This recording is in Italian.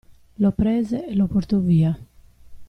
Lo prese e lo portò via.